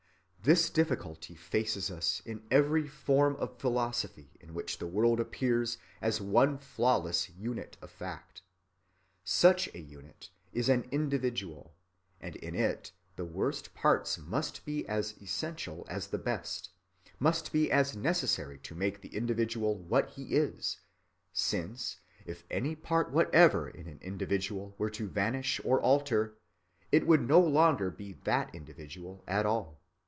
This difficulty faces us in every form of philosophy in which the world appears as one flawless unit of fact. Such a unit is an Individual, and in it the worst parts must be as essential as the best, must be as necessary to make the individual what he is; since if any part whatever in an individual were to vanish or alter, it would no longer be that individual at all.